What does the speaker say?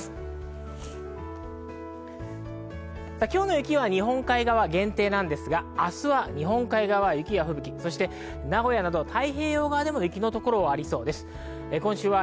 今日の雪は日本海側限定ですが明日は日本海側は吹雪、名古屋など太平洋側でも雪の所がありそうです。